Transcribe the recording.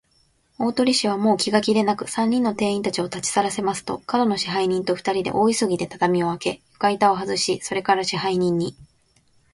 大鳥氏は、もう気が気でなく、三人の店員たちをたちさらせますと、門野支配人とふたりで、大急ぎで畳をあけ、床板をはずし、それから、支配人に